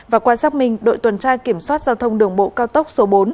và qua xác minh đội tuần tra kiểm soát giao thông đường bộ cao tốc số bốn